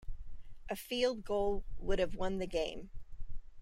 A field goal would have won the game.